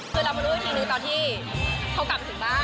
คือเรามาดูวิธีนี้ตอนที่เขากลับถึงบ้าน